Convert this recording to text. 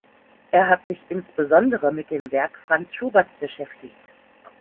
Er hat sich insbesondere mit dem Werk Franz Schuberts beschäftigt.